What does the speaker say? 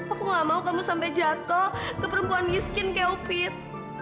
aku nggak mau kamu sampai jatuh ke perempuan miskin kayak upit